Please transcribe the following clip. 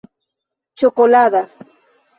ĉokolada